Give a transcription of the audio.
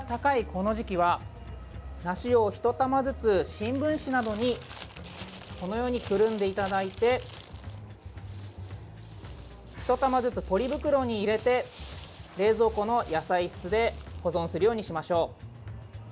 この時期は梨を１玉ずつ、新聞紙などにこのようにくるんでいただいて１玉ずつポリ袋に入れて冷蔵庫の野菜室で保存するようにしましょう。